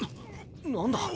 何だ？